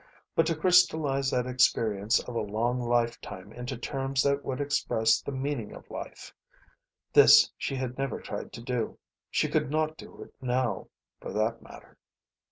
But to crystallize that experience of a long lifetime into terms that would express the meaning of life this she had never tried to do. She could not do it now, for that matter.